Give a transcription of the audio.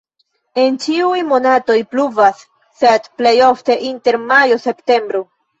En ĉiuj monatoj pluvas, sed plej ofte inter majo-septembro.